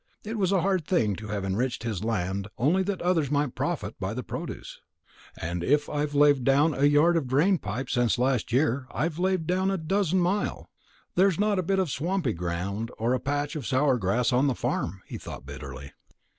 It was a hard thing to have enriched his land only that others might profit by the produce. "And if I've laid down a yard of drain pipes since last year, I've laid down a dozen mile. There's not a bit of swampy ground or a patch of sour grass on the farm," he thought bitterly.